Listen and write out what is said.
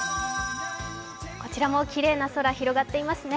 こちらもきれいな空広がっていますね。